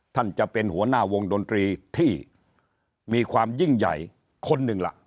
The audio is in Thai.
ท่านจะเป็นหัวหน้าวงดนตรีที่มีความยิ่งใหญ่คนหนึ่งล่ะ